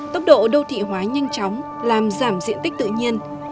tốc độ đô thị hóa nhanh chóng làm giảm diện tích tự nhiên